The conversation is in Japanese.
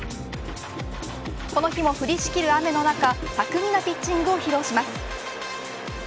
この日も降りしきる雨の中巧みなピッチングを披露します。